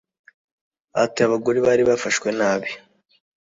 Ati ”Abagore bari bafashwe nabi